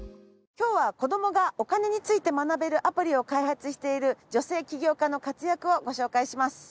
今日は子どもがお金について学べるアプリを開発している女性起業家の活躍をご紹介します。